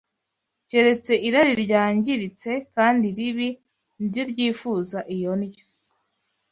Keretse irari ryangiritse kandi ribi ni ryo ryifuza iyo ndyo